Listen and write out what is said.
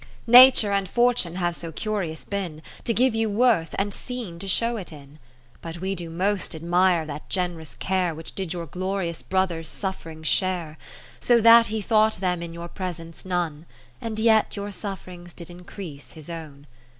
i° Nature and Fortune have so curious been, To give you worth, and scene to show it in. But we do most admire that gen'rous care Which did your glorious Brother's sufferings share ; So that he thought them in your presence none, And yet your suff'rings did increase his own.